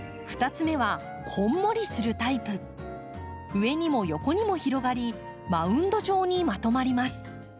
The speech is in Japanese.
上にも横にも広がりマウンド状にまとまります。